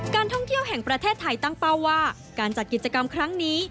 การท่องเที่ยวแห่งประเทศไทยตั้งเป้าว่าการจัดกิจกรรมครั้งนี้